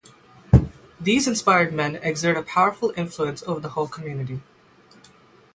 These inspired men exert a powerful influence over the whole community.